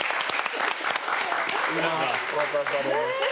今、渡されました。